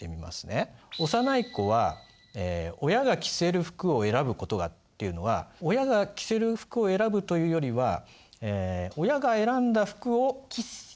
「幼い子は親が着せる服を選ぶことが」っていうのは親が着せる服を選ぶというよりは親が選んだ服を着させられちゃうっていうかな。